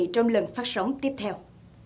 trong lần phát sóng tiếp theo